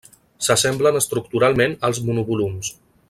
S'assemblen estructuralment als monovolums.